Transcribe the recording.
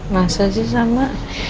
masa sih sama